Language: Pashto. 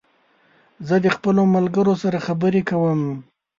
زه د خپلو ملګرو سره خبري کوم